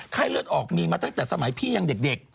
เลือดออกมีมาตั้งแต่สมัยพี่ยังเด็ก